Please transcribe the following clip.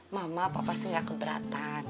mama papa sih gak keberatan